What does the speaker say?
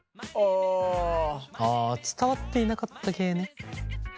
あ伝わっていなかった系ね。